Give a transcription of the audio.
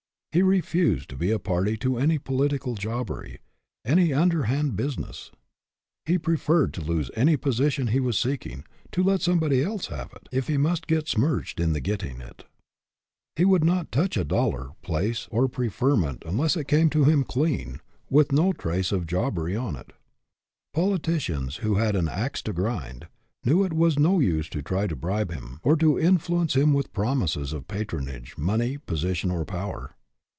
He refused to be a party to any political jobbery, any underhand business. He preferred to lose any position he was seeking, to let somebody else have it, if he must get smirched in the getting it. He would not touch a dollar, place, or preferment STAND FOR SOMETHING 135 unless it came to him clean, with no trace of jobbery on it. Politicians who had an " ax to grind " knew it was no use to try to bribe him, or to influence him with promises of patronage, money, position, or power.